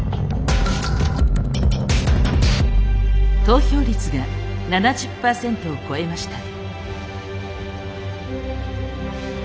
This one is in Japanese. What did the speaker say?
投票率が７０％を超えました。